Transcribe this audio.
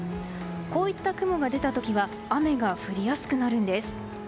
こういった雲が出た時は雨が降りやすくなるんです。